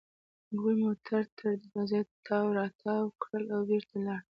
هغوی موټر تر دروازې تاو راتاو کړل او بېرته لاړل.